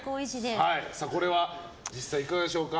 これは実際いかがでしょうか？